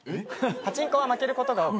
パチンコは負けることが多く。